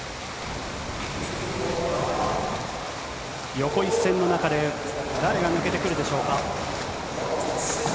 横一線の中で、誰が抜けてくるでしょうか。